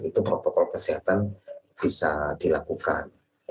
itu protokol kesehatan bisa dilakukan